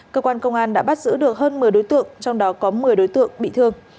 cơ quan công an đã bắt giữ được hơn một mươi đối tượng trong đó có một mươi đối tượng bị thương